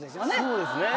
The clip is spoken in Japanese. そうですね！